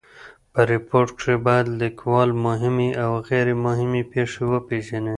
په ریپورټ کښي باید لیکوال مهمي اوغیري مهمي پېښي وپېژني.